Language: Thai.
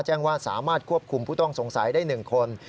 แจ้งว่าสามารถควบคุมผู้ต้องสงสัยได้๑คน